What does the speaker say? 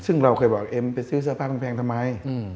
ซึ่งเราเคยบอกเอ็มไปซื้อเสื้อผ้าแพงทำไม